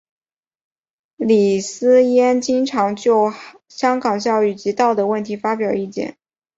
李偲嫣经常就香港教育及道德问题发表意见。